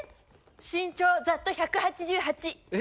身長ざっと１８８。え！